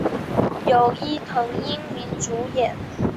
由伊藤英明主演。